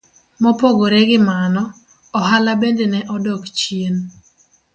Mopogore gi mano, ohala bende ne odok chien.